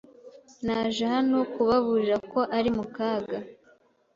Naje hano kubaburira ko uri mu kaga.